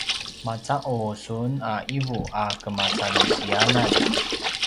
maca’u sun a ’ivu a kemacalisiyanan?